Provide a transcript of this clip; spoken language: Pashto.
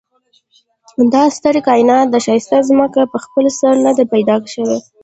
دا ستر کاينات دا ښايسته ځمکه په خپل سر ندي پيدا شوي